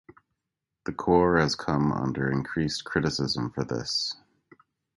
The corps has come under increased criticism for this.